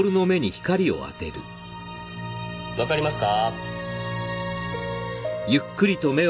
わかりますか？